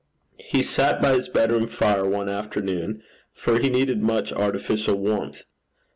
He sat by his bedroom fire one afternoon, for he needed much artificial warmth.